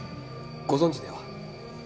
ご存じでは？